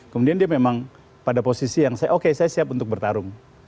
kemudian dia memang pada posisi yang saya oke saya siap untuk bertarung